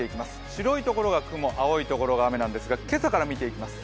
白いところが雲、青いところが雨なんですが、今朝から見ていきます。